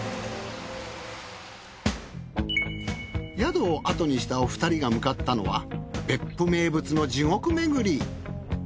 宿をあとにしたお二人が向かったのは別府名物の地獄めぐり。